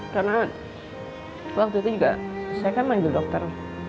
karena waktu itu juga saya kan mengambil dokter